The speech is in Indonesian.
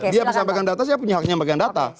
dia bisa bagian data saya punya haknya bagian data